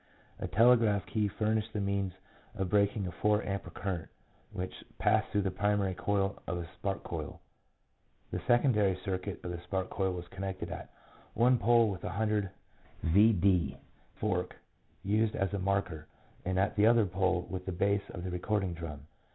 A telegraph key furnished the means of breaking a four ampere current, which passed through the primary coil of a spark coil. The secondary circuit of the spark coil was connected at one pole with a ioo v.d. fork, used as a marker, and at the other pole with the base of the recording drum.